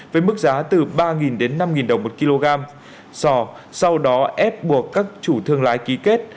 với mức giá từ ba đến năm đồng một kg sò sau đó ép buộc các chủ thương lái ký kết